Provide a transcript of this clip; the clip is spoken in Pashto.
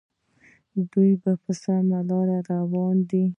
دوی په سمه لار روان دي.